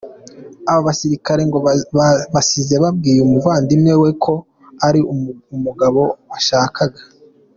Aba basirikare ngo basize babwiye umuvandimwe we ko ari uyu mugabo bashakaga.